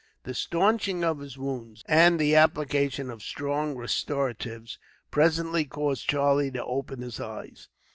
The stanching of his wounds, and the application of strong restoratives, presently caused Charlie to open his eyes.